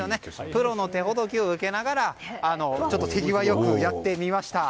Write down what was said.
プロの手ほどきを受けながら手際よくやってみました。